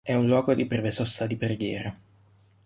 È un luogo di breve sosta di preghiera.